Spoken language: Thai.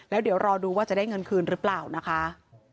แล้วเดี๋ยวรอดูว่าจะได้เงินคืนหรือเปล่านะคะ